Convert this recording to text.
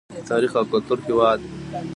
د تاریخ او کلتور هیواد.